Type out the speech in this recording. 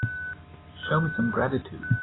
Show me some gratitude.